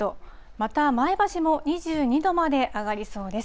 また前橋も２２度まで上がりそうです。